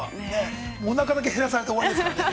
おなかだけ減らされて終わりですからね。